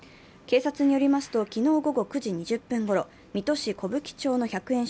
警察によりますと、昨日午後９時２０分ごろ、水戸市小吹町の１００円